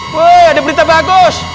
woy ada berita bagus